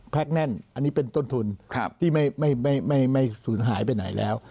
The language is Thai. แน่นอันนี้เป็นต้นทุนที่ไม่สูญหายไปไหนแล้ว